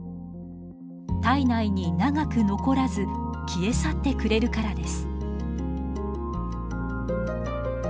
体内に長く残らず消え去ってくれるからです。